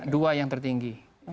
dua yang tertinggi